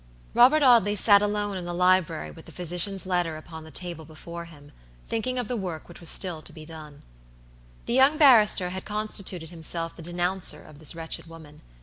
Robert Audley sat alone in the library with the physician's letter upon the table before him, thinking of the work which was still to be done. The young barrister had constituted himself the denouncer of this wretched woman.